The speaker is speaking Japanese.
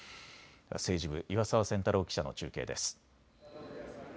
政治部、岩澤千太朗記者の中継です。